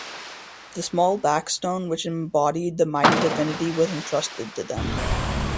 The small black stone which embodied the mighty divinity was entrusted to them.